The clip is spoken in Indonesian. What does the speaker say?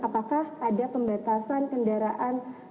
apakah ada pembatasan kendaraan